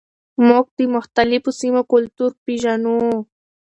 موږ د مختلفو سیمو کلتور پیژنو.